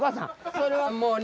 それはもうね。